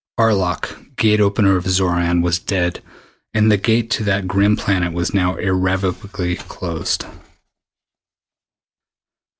Arlok, Gate opener of Xoran, was dead and the Gate to that grim planet was now irrevocably closed!